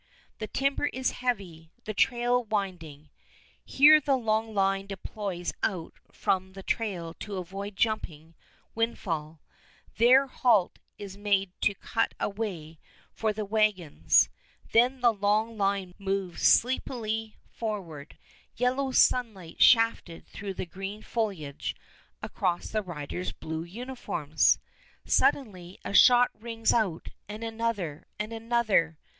The timber is heavy, the trail winding. Here the long line deploys out from the trail to avoid jumping windfall; there halt is made to cut a way for the wagons; then the long line moves sleepily forward, yellow sunlight shafted through the green foliage across the riders' blue uniforms. Suddenly a shot rings out, and another, and another!